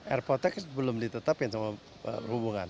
airpotex belum ditetapkan sama hubungan